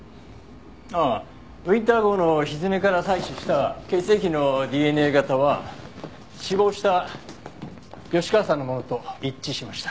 ああウィンター号の蹄から採取した血液のＤＮＡ型は死亡した吉川さんのものと一致しました。